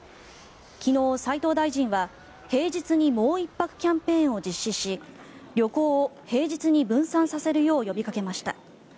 昨日、斉藤大臣は「平日にもう１泊」キャンペーンを実施し旅行を平日に分散させるよう呼びかけました。